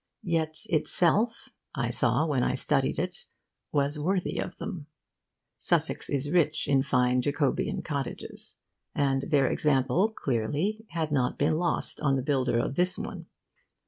Yet itself (I saw when I studied it) was worthy of them. Sussex is rich in fine Jacobean cottages; and their example, clearly, had not been lost on the builder of this one.